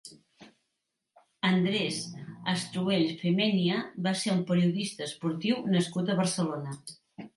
Andrés Astruells Femenia va ser un periodista esportiu nascut a Barcelona.